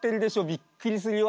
びっくりするよ！